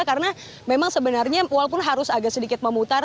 karena memang sebenarnya walaupun harus agak sedikit memutar